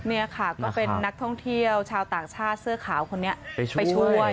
นี่ค่ะก็เป็นนักท่องเที่ยวชาวต่างชาติเสื้อขาวคนนี้ไปช่วย